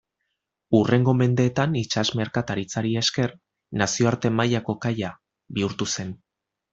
Hurrengo mendeetan itsas merkataritzari esker nazioarte mailako kaia bihurtu zen.